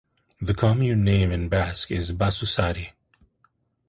The commune name in Basque is "Basusarri".